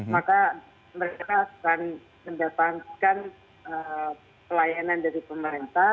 maka mereka akan mendapatkan pelayanan dari pemerintah